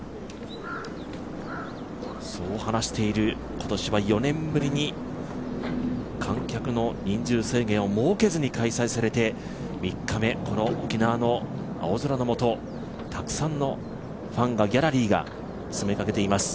そう話している、今年は４年ぶりに観客の人数制限を設けずに開催されて、３日目、この沖縄の青空の下たくさんのファンが、ギャラリーが詰めかけています。